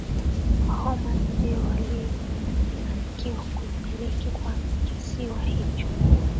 Waoman ndio walifanikiwa kuimiliki kwanza kisiwa hicho